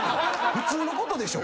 普通のことでしょ。